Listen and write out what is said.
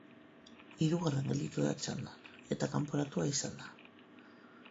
Hirugarren gelditu da txandan, eta kanporatua izan da.